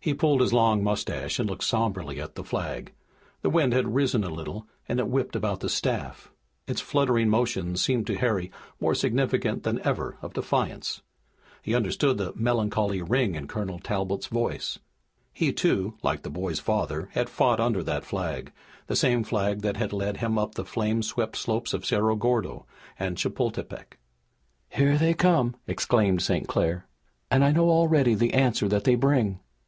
He pulled his long mustache and looked somberly at the flag. The wind had risen a little, and it whipped about the staff. Its fluttering motions seemed to Harry more significant than ever of defiance. He understood the melancholy ring in Colonel Talbot's voice. He, too, like the boy's father, had fought under that flag, the same flag that had led him up the flame swept slopes of Cerro Gordo and Chapultepec. "Here they come," exclaimed St. Clair, "and I know already the answer that they bring!"